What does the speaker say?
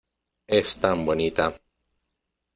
¡ es tan bonita!